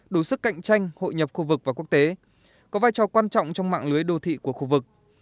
đủ sức cạnh tranh hội nhập khu vực và quốc tế có vai trò quan trọng trong mạng lưới đô thị của khu vực